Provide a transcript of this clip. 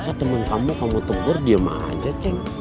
masa temen kamu kamu tegur diem aja cing